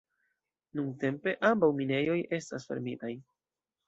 Nuntempe ambaŭ minejoj estas fermitaj.